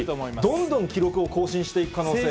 どんどん記録を更新していく可能性がある？